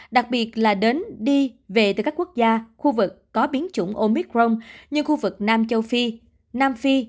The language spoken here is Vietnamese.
đặc biệt là đến đi về từ các quốc gia khu vực có biến chủng omicron như khu vực nam châu phi nam phi